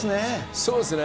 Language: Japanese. そうですね。